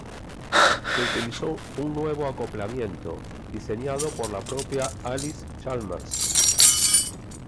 Se utilizó un nuevo acoplamiento, diseñado por la propia Allis-Chalmers.